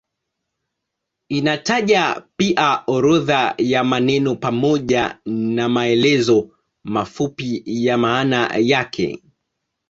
Inataja pia orodha ya maneno pamoja na maelezo mafupi ya maana yake.